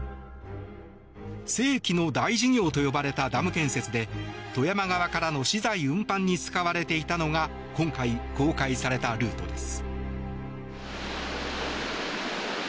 世紀の大事業と呼ばれたダム建設で富山側からの資材運搬に使われていたのが今回公開されたルートです。